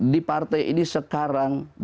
di partai ini sekarang bicara kritik